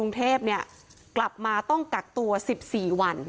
แล้วลุงพลกับป้าแต่นมากรุงเทพเนี่ยกลับมาต้องกักตัว๑๔วัน